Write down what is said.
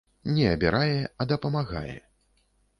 Не абірае, а дапамагае.